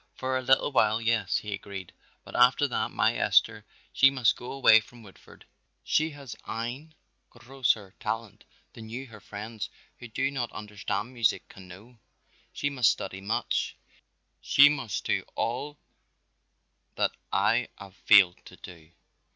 "For a little while, yes," he agreed, "but after that my Esther she must go away from Woodford. She hast ein grosser talent than you her friends who do not understand music can know. She must study much, she must do all that I haf failed to do.